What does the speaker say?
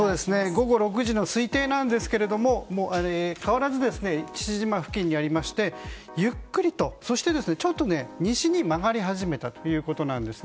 午後６時の推定なんですが変わらず父島付近にありましてゆっくりと、そしてちょっと西に曲がり始めたということです。